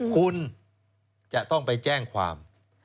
คุณจะต้องไปแจ้งความ